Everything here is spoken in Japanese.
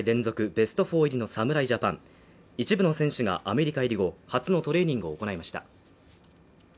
ベスト４入りの侍ジャパン一部の選手がアメリカ入り後初のトレーニングを行いました。